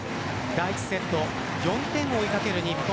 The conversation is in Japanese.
第１セット４点を追いかける日本。